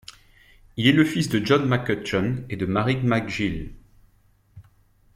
Il est le fils de John McCutcheon et de Mary McGill.